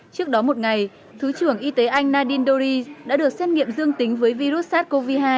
trước đó một ngày thứ trưởng y tế anh nadin doris đã được xét nghiệm dương tính với virus sars cov hai